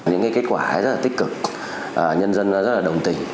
những kết quả rất là tích cực nhân dân rất là đồng tình